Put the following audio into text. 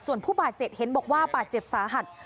ส่วนผู้บาดเจ็บเห็นบอกว่าบาดเจ็บสาหัส